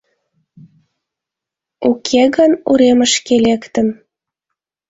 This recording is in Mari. Уке гын, уремышке лектын